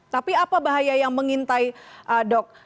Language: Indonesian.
tapi apa bahaya yang mengintai dok